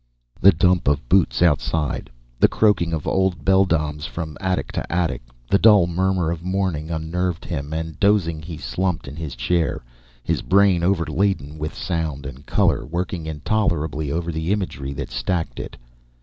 The clump of boots outside, the croaking of old beldames from attic to attic, the dull murmur of morning, unnerved him, and, dozing, he slumped in his chair, his brain, overladen with sound and color, working intolerably over the imagery that stacked it.